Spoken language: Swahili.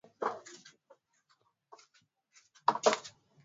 Woods alindika habari mbalimbali zikiwemo makala na vitabu pia